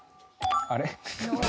あれ？